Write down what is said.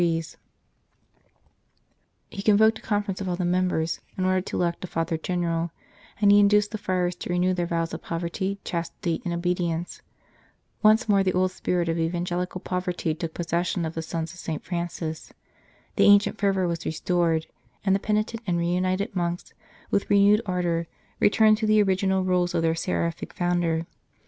90 The Humble Ones He convoked a conference of all the members in order to elect a Father General, and he induced the friars to renew their vows of poverty, chastity, and obedience ; once more the old spirit of evan gelical poverty took possession of the sons of St. Francis, the ancient fervour was restored, and the penitent and reunited monks with re newed ardour returned to the original rules of their seraphic founder.